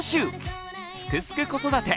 「すくすく子育て」